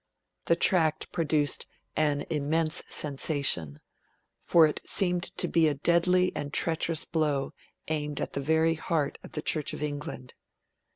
The Tract produced an immense sensation, for it seemed to be a deadly and treacherous blow aimed at the very heart of the Church of England.